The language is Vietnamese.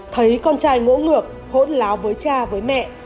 thấy con trai ngỗ ngược hỗn láo với cha với mẹ